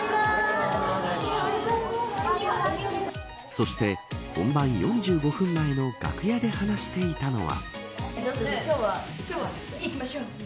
そして、本番４５分前の楽屋で話していたのは。